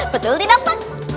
betul tidak pak